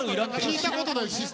聞いたことないシステムなんで。